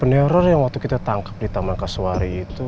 peneror yang waktu kita tangkep di taman kasuari itu